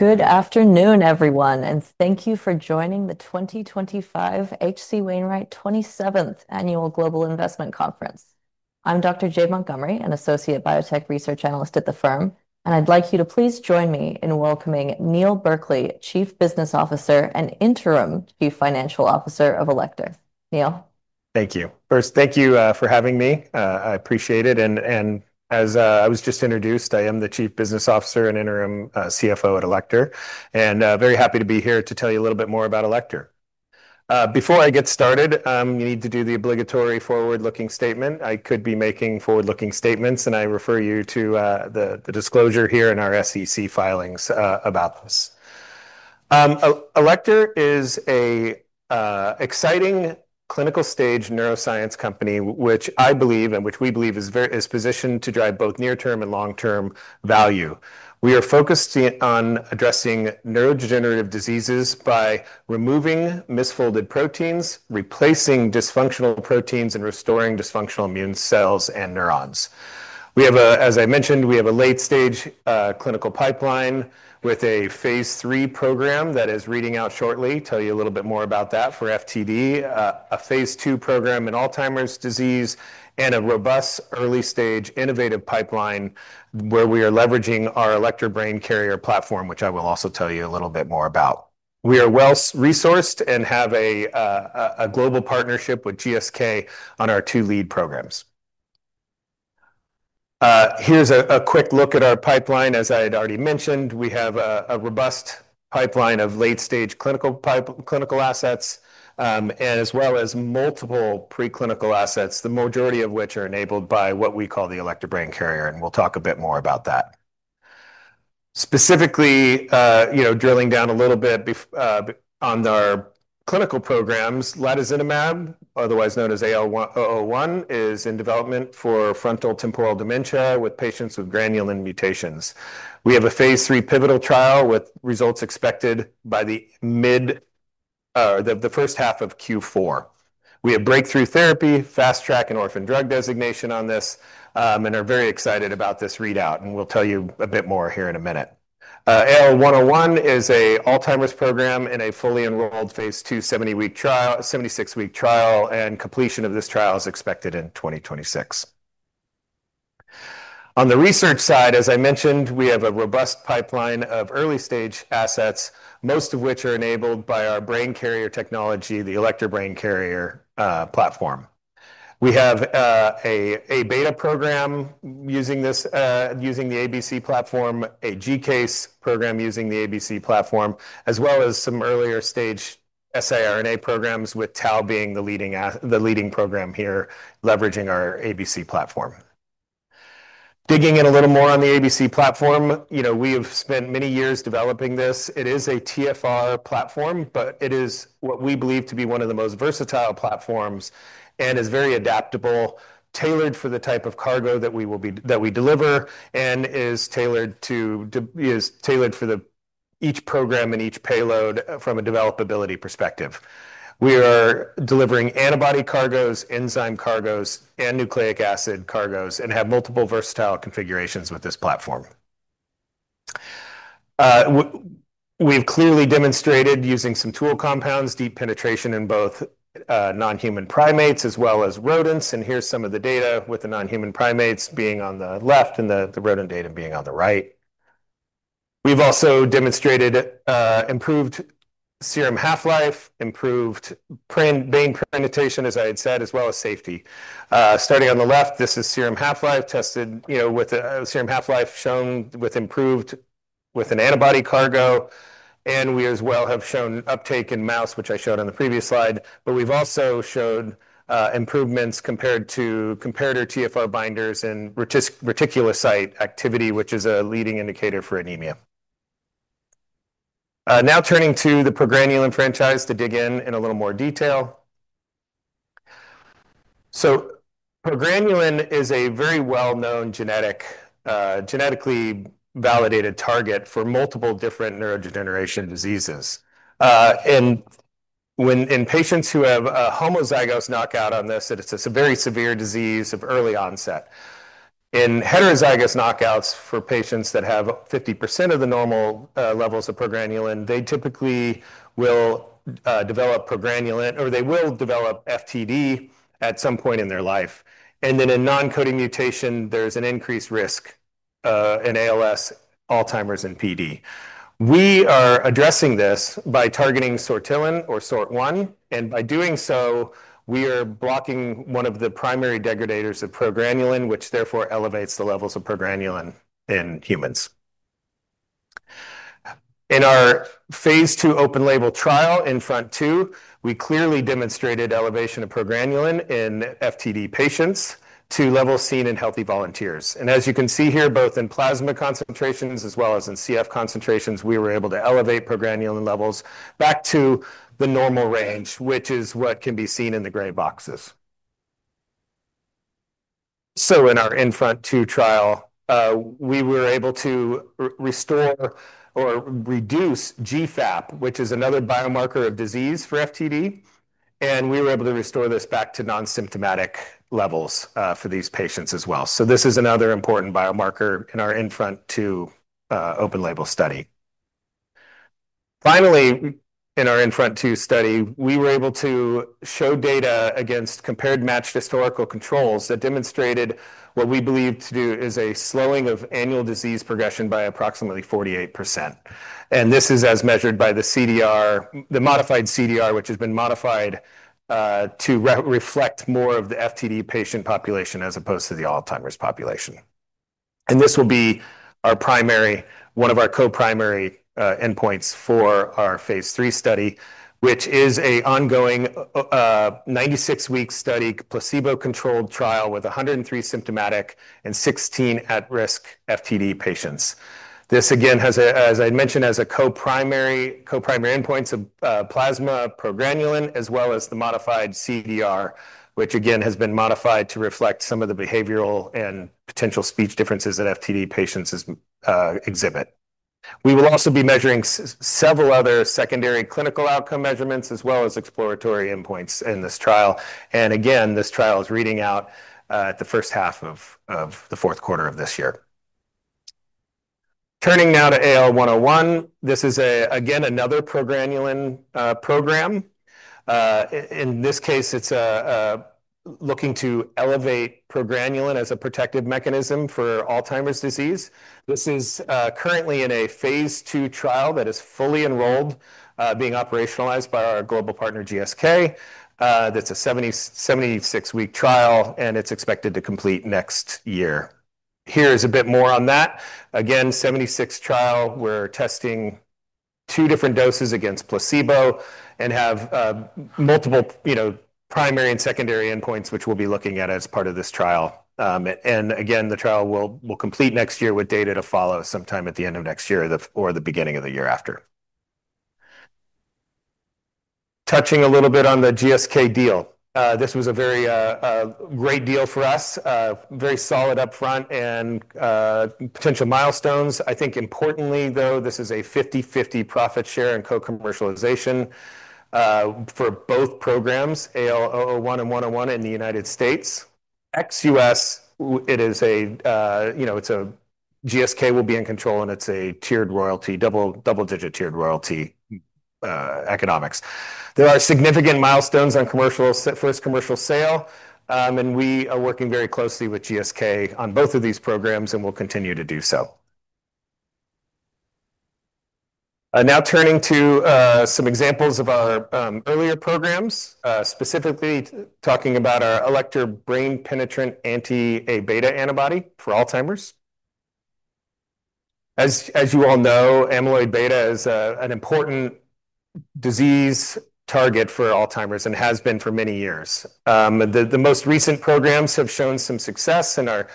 Good afternoon, everyone, and thank you for joining the 2025 HC Wainwright 27th Annual Global Investment Conference. I'm Dr. Jade Montgomery, an Associate Biotech Research Analyst at the firm, and I'd like you to please join me in welcoming Neil Berkeley, Chief Business Officer and Interim Chief Financial Officer of Alector. Neil? Thank you. First, thank you for having me. I appreciate it. As I was just introduced, I am the Chief Business Officer and Interim Chief Financial Officer at Alector, and very happy to be here to tell you a little bit more about Alector. Before I get started, I need to do the obligatory forward-looking statement. I could be making forward-looking statements, and I refer you to the disclosure here in our SEC filings about this. Alector is an exciting clinical-stage neuroscience company, which I believe, and which we believe, is positioned to drive both near-term and long-term value. We are focused on addressing neurodegenerative diseases by removing misfolded proteins, replacing dysfunctional proteins, and restoring dysfunctional immune cells and neurons. We have, as I mentioned, a late-stage clinical pipeline with a phase 3 program that is reading out shortly. I will tell you a little bit more about that for frontotemporal dementia, a phase 2 program in Alzheimer's disease, and a robust early-stage innovative pipeline where we are leveraging our Alector Brain Carrier platform, which I will also tell you a little bit more about. We are well-resourced and have a global partnership with GSK on our two lead programs. Here is a quick look at our pipeline. As I had already mentioned, we have a robust pipeline of late-stage clinical assets, as well as multiple preclinical assets, the majority of which are enabled by what we call the Alector Brain Carrier, and we will talk a bit more about that. Specifically, drilling down a little bit on our clinical programs, latozinemab, otherwise known as AL001, is in development for frontotemporal dementia with patients with granulin mutations. We have a phase 3 pivotal trial with results expected by the first half of Q4. We have Breakthrough Therapy, Fast Track, and Orphan Drug designation on this, and are very excited about this readout, and I will tell you a bit more here in a minute. AL101 is an Alzheimer's program in a fully enrolled phase 2, 76-week trial, and completion of this trial is expected in 2026. On the research side, as I mentioned, we have a robust pipeline of early-stage assets, most of which are enabled by our brain carrier technology, the Alector Brain Carrier platform. We have a beta program using the ABC platform, a G-case program using the ABC platform, as well as some earlier stage siRNA programs with Tau being the leading program here, leveraging our ABC platform. Digging in a little more on the Alector Brain Carrier (ABC) platform, we have spent many years developing this. It is a TFR platform, but it is what we believe to be one of the most versatile platforms and is very adaptable, tailored for the type of cargo that we deliver, and is tailored for each program and each payload from a developability perspective. We are delivering antibody cargos, enzyme cargos, and nucleic acid cargos and have multiple versatile configurations with this platform. We've clearly demonstrated using some tool compounds, deep penetration in both non-human primates as well as rodents, and here's some of the data with the non-human primates being on the left and the rodent data being on the right. We've also demonstrated improved serum half-life, improved brain penetration, as I had said, as well as safety. Starting on the left, this is serum half-life tested with a serum half-life shown with improved antibody cargo, and we as well have shown uptake in mouse, which I showed on the previous slide, but we've also shown improvements compared to comparator TFR binders and reticulocyte activity, which is a leading indicator for anemia. Now turning to the progranulin franchise to dig in in a little more detail. Progranulin is a very well-known genetically validated target for multiple different neurodegeneration diseases. In patients who have a homozygous knockout on this, it's a very severe disease of early onset. In heterozygous knockouts for patients that have 50% of the normal levels of progranulin, they typically will develop progranulin, or they will develop frontotemporal dementia (FTD) at some point in their life. In non-coding mutation, there's an increased risk in ALS, Alzheimer's, and Parkinson's disease. We are addressing this by targeting Sort1, and by doing so, we are blocking one of the primary degradators of progranulin, which therefore elevates the levels of progranulin in humans. In our phase 2 open label trial in FRONT2, we clearly demonstrated elevation of progranulin in FTD patients to levels seen in healthy volunteers. As you can see here, both in plasma concentrations as well as in CSF concentrations, we were able to elevate progranulin levels back to the normal range, which is what can be seen in the gray boxes. In our FRONT2 trial, we were able to restore or reduce GFAP, which is another biomarker of disease for FTD, and we were able to restore this back to non-symptomatic levels for these patients as well. This is another important biomarker in our INFRONT2 open-label study. Finally, in our INFRONT2 study, we were able to show data against matched historical controls that demonstrated what we believe to be a slowing of annual disease progression by approximately 48%. This is as measured by the CDR, the modified CDR, which has been modified to reflect more of the FTD patient population as opposed to the Alzheimer's population. This will be one of our co-primary endpoints for our phase 3 study, which is an ongoing 96-week, placebo-controlled trial with 103 symptomatic and 16 at-risk FTD patients. This again has, as I mentioned, as a co-primary endpoint, plasma progranulin, as well as the modified CDR, which again has been modified to reflect some of the behavioral and potential speech differences that FTD patients exhibit. We will also be measuring several other secondary clinical outcome measurements, as well as exploratory endpoints in this trial. This trial is reading out in the first half of the fourth quarter of this year. Turning now to AL101, this is again another progranulin program. In this case, it's looking to elevate progranulin as a protective mechanism for Alzheimer's disease. This is currently in a phase 2 trial that is fully enrolled, being operationalized by our global partner GSK. That's a 76-week trial, and it's expected to complete next year. Here is a bit more on that. Again, 76-week trial, we're testing two different doses against placebo and have multiple primary and secondary endpoints, which we'll be looking at as part of this trial. The trial will complete next year with data to follow sometime at the end of next year or the beginning of the year after. Touching a little bit on the GSK deal, this was a very great deal for us, very solid upfront and potential milestones. Importantly, this is a 50-50 profit share and co-commercialization for both programs, AL101 and 101, in the U.S. Outside the U.S., GSK will be in control and it's a tiered royalty, double-digit tiered royalty economics. There are significant milestones on first commercial sale, and we are working very closely with GSK on both of these programs and will continue to do so. Now turning to some examples of our earlier programs, specifically talking about our Alector Brain Carrier platform brain-penetrant anti-Aβ antibody for Alzheimer's. As you all know, amyloid beta is an important disease target for Alzheimer's and has been for many years. The most recent programs have shown some success and are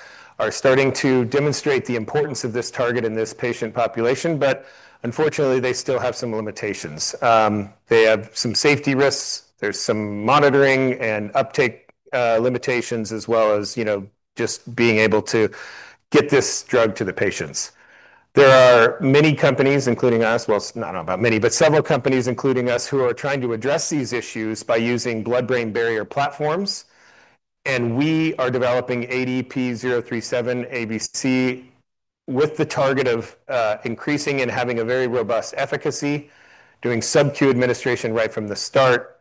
starting to demonstrate the importance of this target in this patient population, but unfortunately, they still have some limitations. They have some safety risks, there is some monitoring and uptake limitations, as well as just being able to get this drug to the patients. There are many companies, including us, or not about many, but several companies, including us, who are trying to address these issues by using blood-brain barrier platforms. We are developing ADP037 ABC with the target of increasing and having a very robust efficacy, doing sub-Q administration right from the start.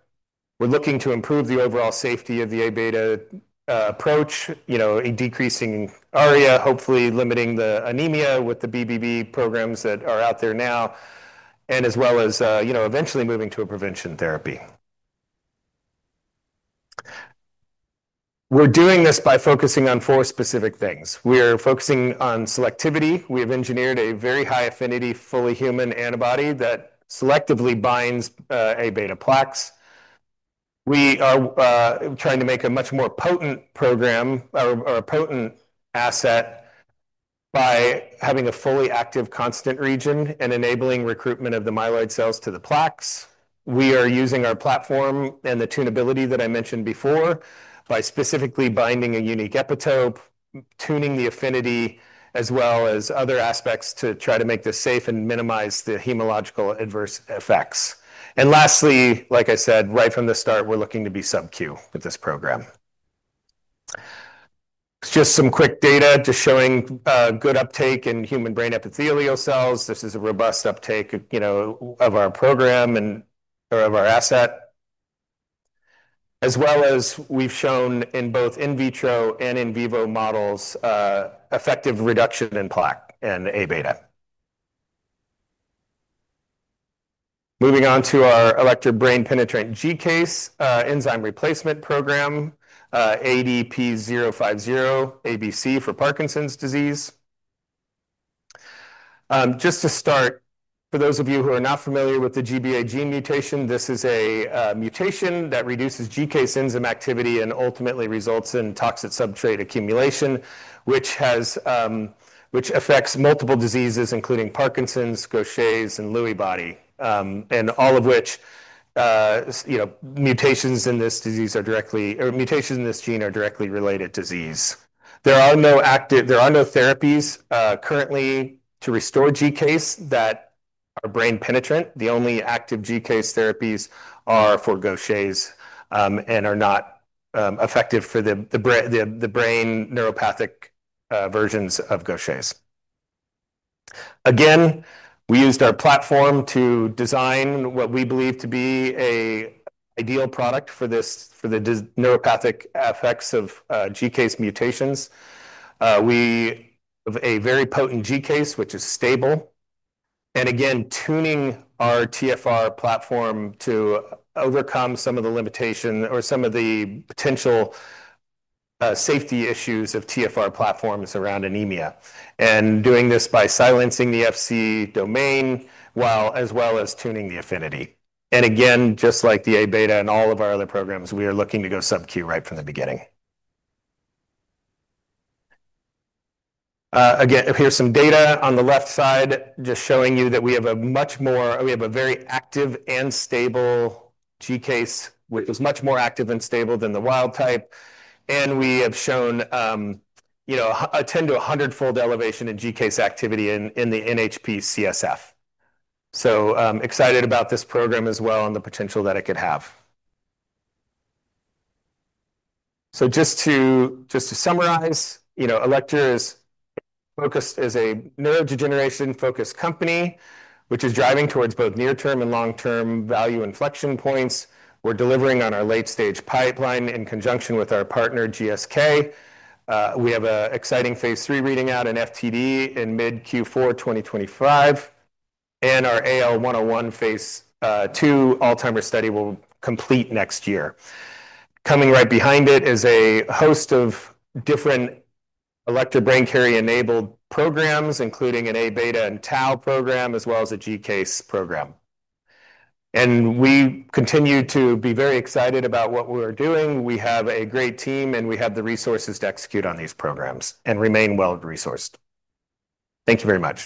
We are looking to improve the overall safety of the A-beta approach, decreasing ARIA, hopefully limiting the anemia with the BBB programs that are out there now, and eventually moving to a prevention therapy. We are doing this by focusing on four specific things. We are focusing on selectivity. We have engineered a very high affinity fully human antibody that selectively binds A-beta plaques. We are trying to make a much more potent program or a potent asset by having a fully active constant region and enabling recruitment of the myeloid cells to the plaques. We are using our platform and the tunability that I mentioned before by specifically binding a unique epitope, tuning the affinity, as well as other aspects to try to make this safe and minimize the hematological adverse effects. Lastly, like I said, right from the start, we are looking to be sub-Q with this program. It is just some quick data just showing good uptake in human brain epithelial cells. This is a robust uptake of our program or of our asset. We have shown in both in vitro and in vivo models effective reduction in plaque and A-beta. Moving on to our Alector Brain Penetrant G-case enzyme replacement program, ADP050 ABC for Parkinson's disease. Just to start, for those of you who are not familiar with the GBA gene mutation, this is a mutation that reduces G-case enzyme activity and ultimately results in toxic substrate accumulation, which affects multiple diseases, including Parkinson's, Gaucher's, and Lewy body, all of which mutations in this gene are directly related to disease. There are no therapies currently to restore G-case that are brain penetrant. The only active G-case therapies are for Gaucher's and are not effective for the brain neuropathic versions of Gaucher's. We used our platform to design what we believe to be an ideal product for the neuropathic effects of G-case mutations. We have a very potent G-case, which is stable. Tuning our TFR platform to overcome some of the limitations or some of the potential safety issues of TFR platforms around anemia, and doing this by silencing the FC domain, as well as tuning the affinity. Just like the anti-Aβ antibody and all of our other programs, we are looking to go sub-Q right from the beginning. Here is some data on the left side, just showing you that we have a very active and stable G-case, which is much more active and stable than the wild type. We have shown a 10 to 100-fold elevation in G-case activity in the NHP-CSF. Excited about this program as well and the potential that it could have. To summarize, Alector is focused as a neurodegeneration-focused company, which is driving towards both near-term and long-term value inflection points. We are delivering on our late-stage pipeline in conjunction with our partner GSK. We have an exciting phase 3 reading out in FTD in mid-Q4 2025, and our AL101 phase 2 Alzheimer's study will complete next year. Coming right behind it is a host of different Alector Brain Carrier-enabled programs, including an anti-Aβ antibody and Tau program, as well as a G-case program. We continue to be very excited about what we are doing. We have a great team, and we have the resources to execute on these programs and remain well-resourced. Thank you very much.